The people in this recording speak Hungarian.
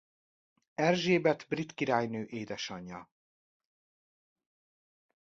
Erzsébet brit királynő édesanyja.